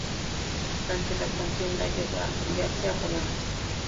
Durante la contienda llegó a afiliarse a Falange.